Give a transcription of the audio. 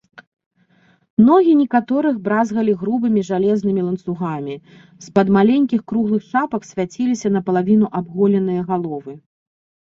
Ногі некаторых бразгалі грубымі жалезнымі ланцугамі, з-пад маленькіх круглых шапак свяціліся напалавіну абголеныя галовы.